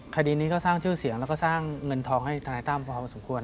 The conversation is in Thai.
คดีนี้ก็สร้างชื่อเสียงแล้วก็สร้างเงินทองให้ธนายตั้มพอสมควร